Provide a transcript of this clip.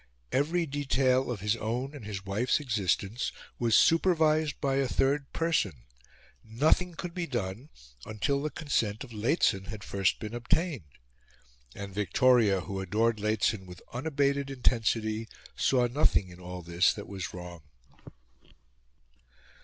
Every detail of his own and his wife's existence was supervised by a third person: nothing could be done until the consent of Lehzen had first been obtained. And Victoria, who adored Lehzen with unabated intensity, saw nothing in all this that was wrong.